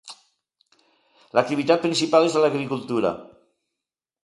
L'activitat principal és l'agricultura.